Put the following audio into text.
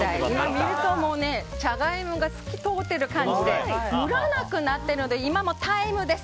見ると、ジャガイモが透き通っている感じでムラなくなってるので今、タイムです。